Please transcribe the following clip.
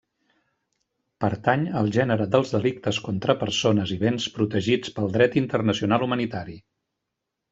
Pertany al gènere dels delictes contra persones i béns protegits pel dret internacional humanitari.